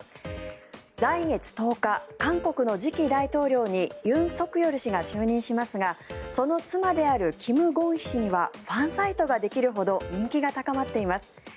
来月１０日韓国の時期大統領に尹錫悦氏が就任しますがその妻であるキム・ゴンヒ氏はファンサイトができるほど人気が高まっています。